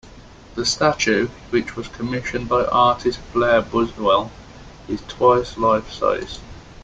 The statue, which was commissioned by artist Blair Buswell, is twice life-size.